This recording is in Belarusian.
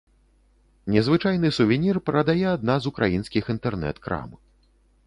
Незвычайны сувенір прадае адна з украінскіх інтэрнэт-крам.